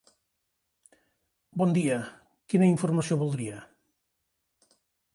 Bon dia, quina informació voldria?